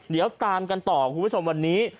เดี๋ยวตามกันต่อคุณผู้ชมวันนี้